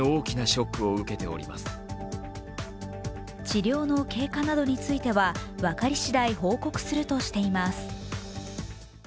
治療の経過などについては分かり次第報告するとしています。